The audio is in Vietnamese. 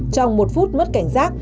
trong một phút mất cảnh giác